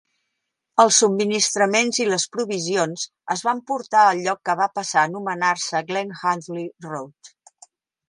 Els subministraments i les provisions es van portar al lloc que va passar a anomenar-se Glen Huntly Road.